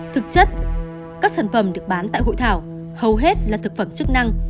thực chất các sản phẩm được bán tại hội thảo hầu hết là thực phẩm chức năng